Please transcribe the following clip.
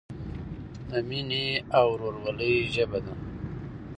د مینې او ورورولۍ ژبه ده.